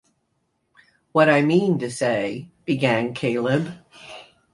"What I mean to say..." began Caleb.